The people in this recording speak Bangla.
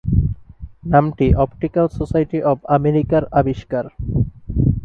নামটি অপটিকাল সোসাইটি অব আমেরিকার আবিষ্কার।